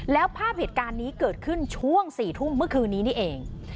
แล้วภาพเหตุการณ์นี้เกิดขึ้นช่วง๔ทุ่มเมื่อคืนนี้นี่เอง